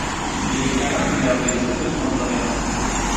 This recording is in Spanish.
Militaba en la Organización Montoneros.